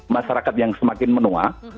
masyarakat yang semakin menua